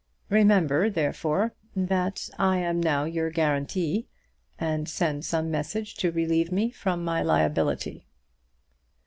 Remember, therefore, that I am now your guarantee, and send some message to relieve me from my liability.